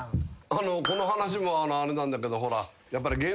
この話もあれなんだけどほらやっぱり。